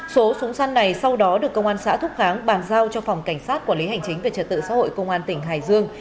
số súng săn này sau đó được công an xã thúc kháng bàn giao cho phòng cảnh sát quản lý hành chính về trật tự xã hội công an tỉnh hải dương